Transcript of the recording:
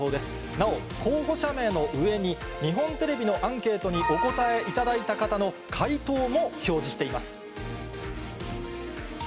なお、候補者名の上に、日本テレビのアンケートにお答えいただいた方の回答も表示しています。